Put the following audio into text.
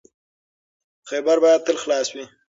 خیبر باید تل خلاص وي.